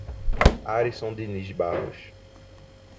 Arisson Diniz Barros